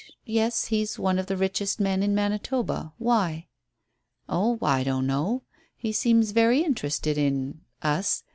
Yes, he's one of the richest men in Manitoba. Why?" "Oh, I don't know. He seems very interested in us.